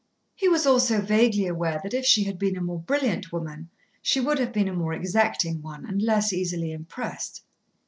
He was also vaguely aware that if she had been a more brilliant woman she would have been a more exacting one, and less easily impressed.